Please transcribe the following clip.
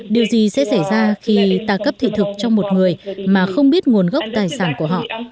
điều gì sẽ xảy ra khi ta cấp thị thực cho một người mà không biết nguồn gốc tài sản của họ